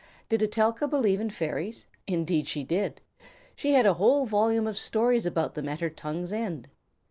Did Etelka believe in fairies? Indeed she did! She had a whole volume of stories about them at her tongue's end.